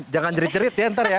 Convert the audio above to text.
jangan jerit jerit ya ntar ya